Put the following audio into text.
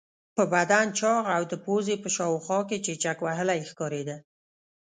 په بدن چاغ او د پوزې په شاوخوا کې چیچک وهلی ښکارېده.